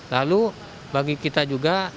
lalu bagi kita juga